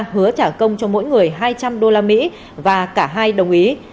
hứa trả công cho mỗi người hai trăm linh usd và cả hai đồng ý